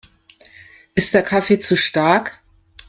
Ist der Kaffee zu stark?